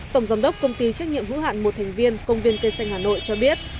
tổng giám đốc công ty trách nhiệm hữu hạn một thành viên công viên cây xanh hà nội cho biết